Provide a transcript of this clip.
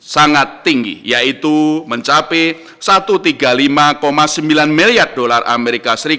sangat tinggi yaitu mencapai rp satu tiga ratus lima puluh sembilan miliar